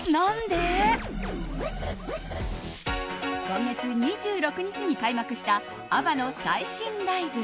今月２６日に開幕したＡＢＢＡの最新ライブ。